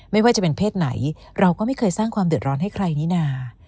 ไม่ว่าจะเป็นเพศไหนเราก็ไม่เคยสร้างความเดือดร้อนให้ใครนี่นา